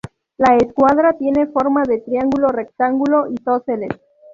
La escuadra tiene forma de triángulo rectángulo isósceles.